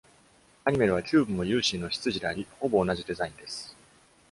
アニメでは、キューブもユーシィの執事であり、ほぼ同じデザインです。